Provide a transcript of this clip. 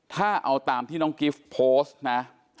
ถ้าเอาตามที่น้องกิฟต์โพสต์นะ